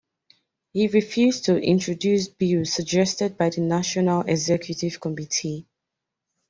He refused to introduce bills suggested by the National Executive Committee.